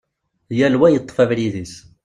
Yal wa yeṭṭef abrid-is.